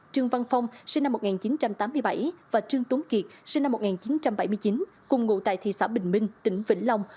trương văn phong sinh năm một nghìn chín trăm tám mươi bảy và trương tuấn kiệt sinh năm một nghìn chín trăm bảy mươi chín cùng ngụ tại thị xã bình minh tỉnh vĩnh long